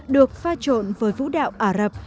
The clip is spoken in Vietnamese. được pha trộn với vũ đạo ả rập